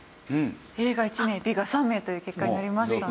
Ａが１名Ｂが３名という結果になりました。